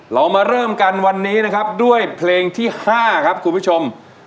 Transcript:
เรามาเริ่มกันวันนี้นะครับด้วยเพลงที่๕ครับคุณผู้ชม